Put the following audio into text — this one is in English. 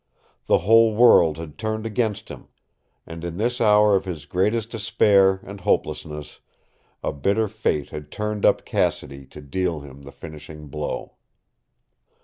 The whole world had turned against him, and in this hour of his greatest despair and hopelessness a bitter fate had turned up Cassidy to deal him the finishing blow.